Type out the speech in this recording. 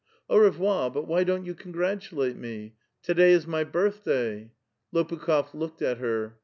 " An revoir^^ but why don't you congratulate me ? to day is my birthday." Lopukh6f looked at her.